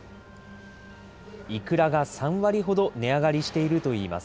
イクラが３割ほど値上がりしているといいます。